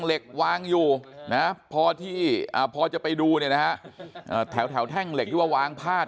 เหล็กวางอยู่นะพอที่พอจะไปดูนะแถวแถวแท่งเหล็กวางพาด